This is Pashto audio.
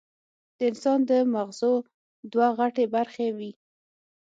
د انسان د مزغو دوه غټې برخې وي